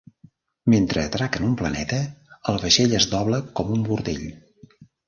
Mentre atraca en un planeta, el vaixell es dobla com un bordell.